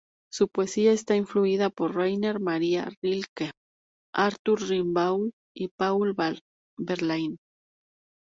Su poesía está influida por Rainer Maria Rilke, Arthur Rimbaud y Paul Verlaine.